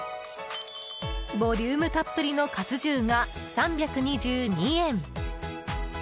ボリュームたっぷりのかつ重が３２２円。